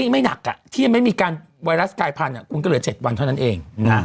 ไม่หนักที่ยังไม่มีการไวรัสกายพันธุ์คุณก็เหลือ๗วันเท่านั้นเอง